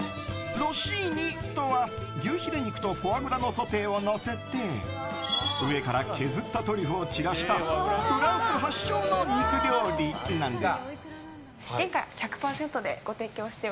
ロッシーニとは、牛ヒレ肉とフォアグラのソテーをのせて上から削ったトリュフを散らしたフランス発祥の肉料理なんです。